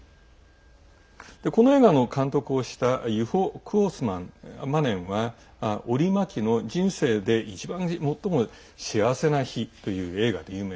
この映画の監督をしたユホ・クオスマネンは「オリ・マキの人生で最も幸せな日」という映画で有名。